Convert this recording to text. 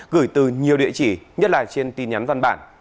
gửi từ nhiều địa chỉ nhất là trên tin nhắn văn bản